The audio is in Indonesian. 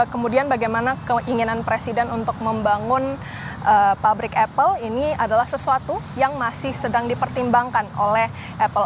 kemudian bagaimana keinginan presiden untuk membangun pabrik apple ini adalah sesuatu yang masih sedang dipertimbangkan oleh apple